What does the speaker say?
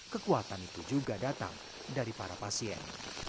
kekuatan itu juga datang dari para pasien